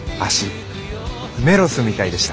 メロスみたいでした。